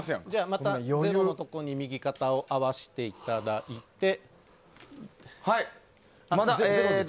また０のところに右肩を合わせていただいて。